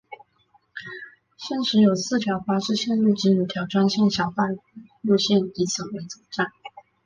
现时有四条巴士路线及五条专线小巴路线以此为总站。